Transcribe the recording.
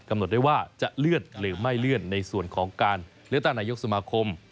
กำหนดได้ว่าจะเลื่อนหรือไม่เลื่อนในส่วนของการเลือกตั้งนายกสมาคม